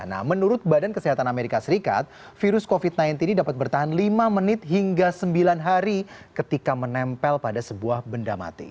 nah menurut badan kesehatan amerika serikat virus covid sembilan belas ini dapat bertahan lima menit hingga sembilan hari ketika menempel pada sebuah benda mati